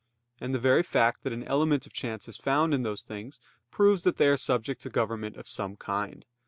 And the very fact that an element of chance is found in those things proves that they are subject to government of some kind.